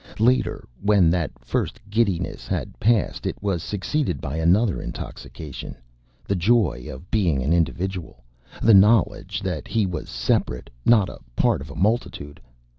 Later, when that first giddiness had passed, it was succeeded by another intoxication the joy of being an individual, the knowledge that he was separate, not a part of a multitude.